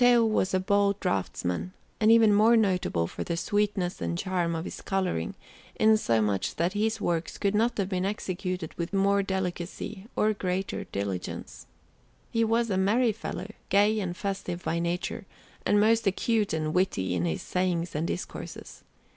Bologna: Accademia, 204_) Anderson] Timoteo was a bold draughtsman, and even more notable for the sweetness and charm of his colouring, insomuch that his works could not have been executed with more delicacy or greater diligence. He was a merry fellow, gay and festive by nature, and most acute and witty in his sayings and discourses.